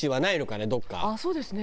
あっそうですね。